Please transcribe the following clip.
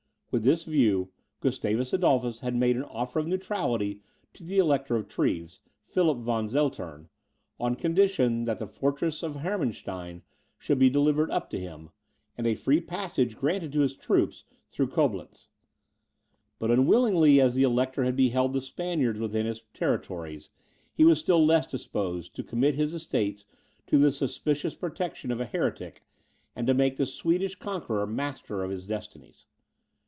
With this view, Gustavus Adolphus had made an offer of neutrality to the Elector of Treves, Philip von Zeltern, on condition that the fortress of Hermanstein should be delivered up to him, and a free passage granted to his troops through Coblentz. But unwillingly as the Elector had beheld the Spaniards within his territories, he was still less disposed to commit his estates to the suspicious protection of a heretic, and to make the Swedish conqueror master of his destinies.